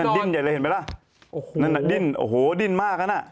ดิ้นใหญ่เลยเห็นไหมล่ะโอ้โหนั่นน่ะดิ้นโอ้โหดิ้นมากนั้นอ่ะ